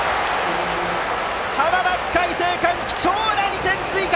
浜松開誠館、貴重な２点追加！